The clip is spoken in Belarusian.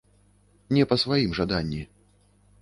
Не па сваім жаданні.